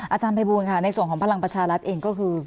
อาจารย์ภัยบูลค่ะในส่วนของพลังประชารัฐเองก็คือ